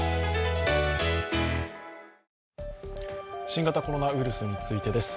新型コロナウイルスについてです。